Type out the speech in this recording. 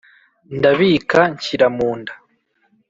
ndabika nshyira mu nda